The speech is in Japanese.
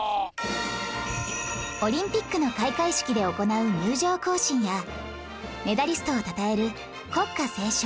オリンピックの開会式で行う入場行進やメダリストをたたえる国歌斉唱